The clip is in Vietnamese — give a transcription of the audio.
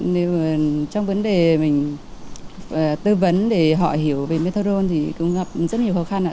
nếu mà trong vấn đề mình tư vấn để họ hiểu về methadone thì cũng gặp rất nhiều khó khăn ạ